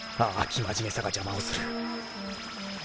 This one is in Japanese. きまじめさが邪魔をする